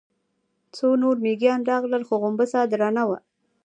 څو نور مېږيان راغلل، خو غومبسه درنه وه.